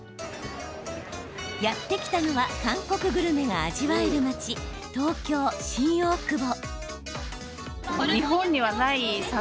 やって来たのは韓国グルメが味わえる街東京・新大久保。